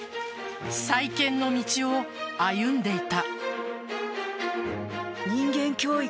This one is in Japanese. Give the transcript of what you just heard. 再建の道を歩んでいた。